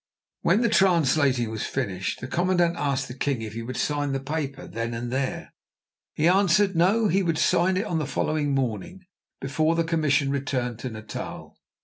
When the translating was finished, the commandant asked the king if he would sign the paper then and there. He answered, "No; he would sign it on the following morning, before the commission returned to Natal."